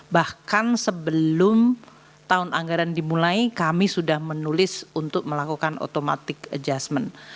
bahkan sebelum tahun anggaran dimulai kami sudah menulis untuk melakukan automatic adjustment